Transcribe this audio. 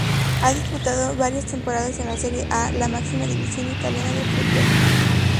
Ha disputado varias temporadas en la Serie A, la máxima división italiana de fútbol.